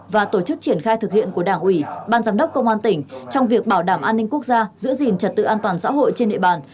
và tổ chức triển khai thực hiện của đảng ủy ban giám đốc công an tỉnh trong việc bảo đảm an ninh quốc gia giữ gìn trật tự an toàn xã hội trên địa bàn